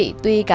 vâng thưa quý vị